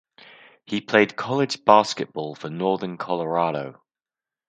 He played college basketball for Northern Colorado.